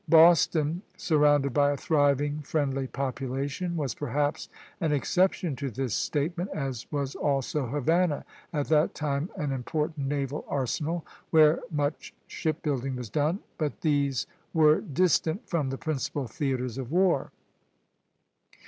Boston, surrounded by a thriving, friendly population, was perhaps an exception to this statement, as was also Havana, at that time an important naval arsenal, where much ship building was done; but these were distant from the principal theatres of war.